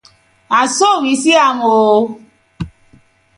Na so we see am oo.